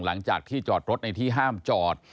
หลังจากที่จอดรถในที่ห้ามจอด